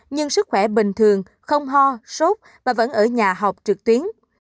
nhưng sức khỏe bình thường không ho sốt mà vẫn ở nhà học trực tuyến